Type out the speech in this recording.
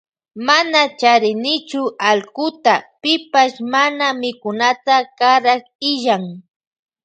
Mana charinichu allkuta pipash mana mikunata karak illan.